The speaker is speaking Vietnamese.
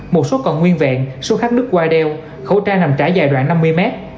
một số còn nguyên vẹn số khác đứt qua đeo khẩu trang nằm trải dài đoạn năm mươi mét